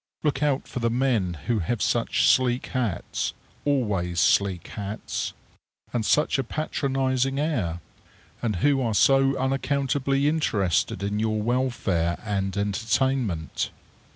Look out for the men who have such sleek hats always sleek hats and such a patronizing air, and who are so unaccountably interested in your welfare and entertainment.